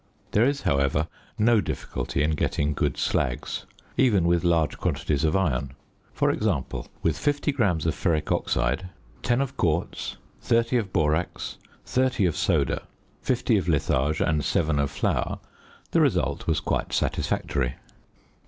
There is, however, no difficulty in getting good slags, even with large quantities of iron. For example, with 50 grams of ferric oxide, 10 of quartz, 30 of borax, 30 of soda, 50 of litharge, and 7 of flour, the result was quite satisfactory.